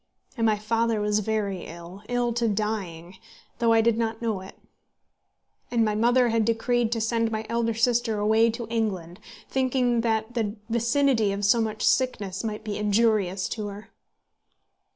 And my father was very ill, ill to dying, though I did not know it. And my mother had decreed to send my elder sister away to England, thinking that the vicinity of so much sickness might be injurious to her.